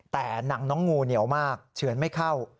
แต่หนังน้องงูเหนียวมากเฉือนไม่เข้า